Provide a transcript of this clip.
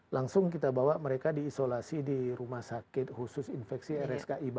langsung kita bawa mereka diisolasi di rumah sakit khusus infeksi rski